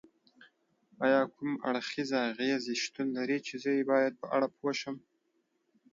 ایا کوم اړخیزې اغیزې شتون لري چې زه یې باید په اړه پوه شم؟